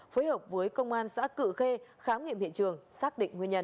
phối hợp với công an xã cự khê khám nghiệm hiện trường xác định nguyên nhân